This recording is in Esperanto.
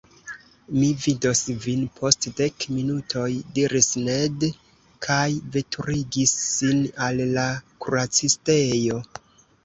Mi vidos vin post dek minutoj diris Ned, kaj veturigis sin al la kuracistejo.